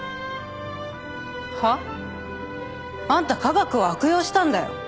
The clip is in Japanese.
は？あんた科学を悪用したんだよ？